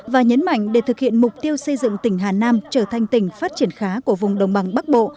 và nhấn mạnh để thực hiện mục tiêu xây dựng tỉnh hà nam trở thành tỉnh phát triển khá của vùng đồng bằng bắc bộ